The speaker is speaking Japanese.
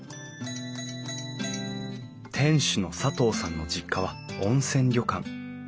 店主の佐藤さんの実家は温泉旅館。